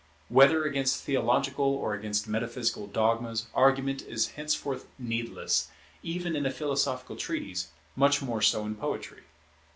Whether against theological or against metaphysical dogmas, argument is henceforth needless, even in a philosophical treatise, much more so in poetry.